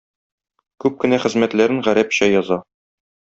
Күп кенә хезмәтләрен гарәпчә яза.